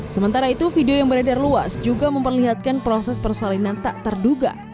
sementara itu video yang beredar luas juga memperlihatkan proses persalinan tak terduga